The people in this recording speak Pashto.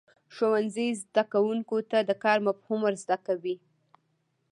ښوونځی زده کوونکو ته د کار مفهوم ورزده کوي.